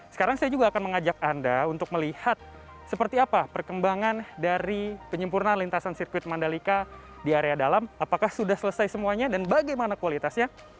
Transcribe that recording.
sekarang saya juga akan mengajak anda untuk melihat seperti apa perkembangan dari penyempurnaan lintasan sirkuit mandalika di area dalam apakah sudah selesai semuanya dan bagaimana kualitasnya